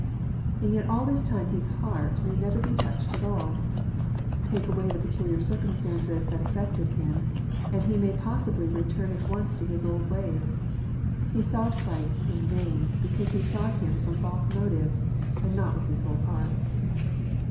And yei all this time his heart may never be touched at all ! Take away the peculiar circumstances that affected him, and he may possibly return at once to his old ways. He sought Christ ^'in vain," because he sought Him from fals« motives, and not with his^hole heart.